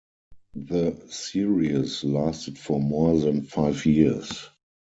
The series lasted for more than five years.